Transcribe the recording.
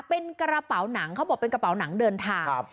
เป็นกระเป๋าหนังเขาบอกเป็นกระเป๋าหนังเดินทาง